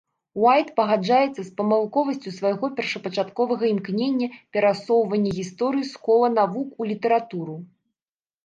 Уайт пагаджаецца з памылковасцю свайго першапачатковага імкнення перасоўвання гісторыі з кола навук у літаратуру.